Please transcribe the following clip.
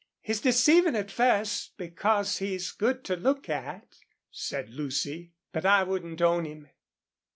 "He's deceiving at first because he's good to look at," said Lucy. "But I wouldn't own him.